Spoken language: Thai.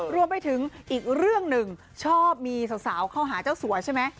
รวมไปถึงอีกเรื่องหนึ่งชอบมีสาวเข้าหาเจ้าสัวใช่ไหม